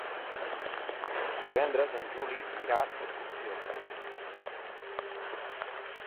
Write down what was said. Divendres en Juli irà d'excursió.